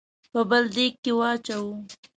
په بل دېګ کې واچوو.